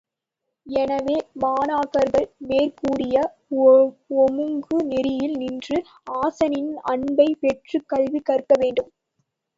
எனவே, மாணாக்கர்கள் மேற்கூறிய ஒமுங்கு நெறியில் நின்று ஆசானின் அன்பைப் பெற்றுக் கல்வி கற்க வேண்டும்.